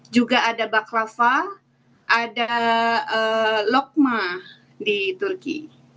juga ada baklava ada lokma di turki